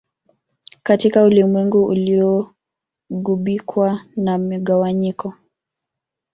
Katika ulimwengu uliogubikwa na migawanyiko